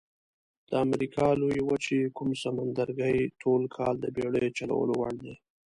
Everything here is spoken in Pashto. د امریکا لویې وچې کوم سمندرګي ټول کال د بېړیو چلولو وړ دي؟